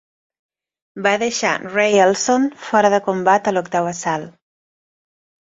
Va deixar Ray Elson fora de combat a l'octau assalt.